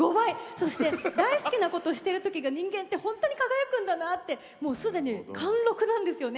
そして、大好きなことしてるときが人間って本当に輝くんだなってすでに貫禄なんですよね。